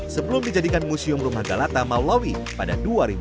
sebelum dijadikan museum rumah galata maulawi pada dua ribu dua